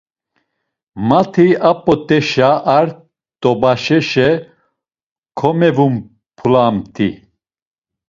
Mati a p̌ot̆eşe ar t̆obaşeşe komevumpulamt̆i.